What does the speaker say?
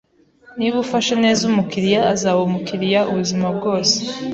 Niba ufashe neza umukiriya, azaba umukiriya ubuzima bwose.